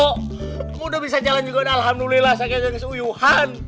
kamu sudah bisa jalan juga alhamdulillah